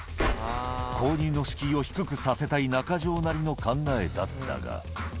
購入の敷居を低くさせたい中城なりの考えだったが。